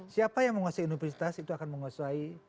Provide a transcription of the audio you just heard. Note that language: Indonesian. siapa yang menguasai universitas itu akan menguasai